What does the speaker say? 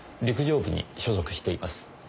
陸上部に所属しています。